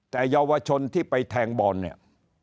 แต่เยาวชนที่ไปแทงบอลเนี่ย